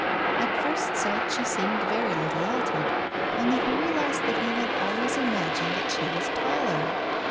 At first sight she seemed very little altered, only he realized that he had always imagined that she was taller.